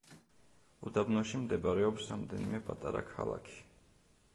უდაბნოში მდებარეობს რამდენიმე პატარა ქალაქი.